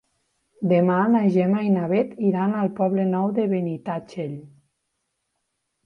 Demà na Gemma i na Bet iran al Poble Nou de Benitatxell.